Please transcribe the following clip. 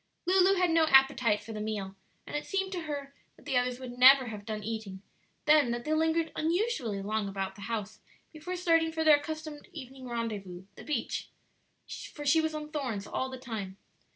Lulu had no appetite for the meal, and it seemed to her that the others would never have done eating; then that they lingered unusually long about the house before starting for their accustomed evening rendezvous the beach; for she was on thorns all the time.